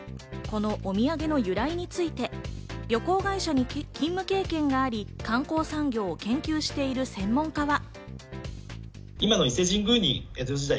このお土産の由来について旅行会社に勤務経験があり、観光産業を研究している専門家は。